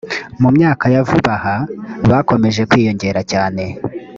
mu myaka ya vuba aha bakomeje kwiyongera cyane